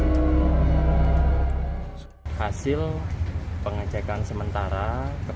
ternyata empat orang yang ditemukan lewat tergeletak